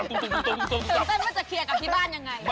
ตื่นเต้นว่าจะเคลียร์กับที่บ้านยังไง